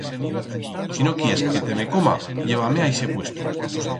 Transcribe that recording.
Si no quies que te me coma lleva-me a ixe puesto.